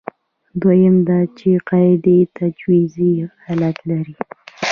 دویم دا چې قاعدې تجویزي حالت لري.